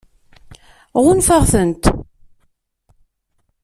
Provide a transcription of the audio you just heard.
Ɣunfaɣ-tent.